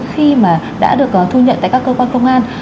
khi mà đã được thu nhận tại các cơ quan công an